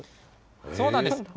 そうなんです。